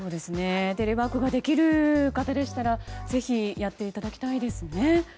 テレワークができる方はぜひやっていただきたいですね。